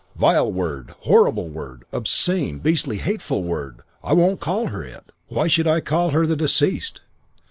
Vile word. Horrible word. Obscene, beastly, hateful word. I won't call her it. Why should I call her the deceased?'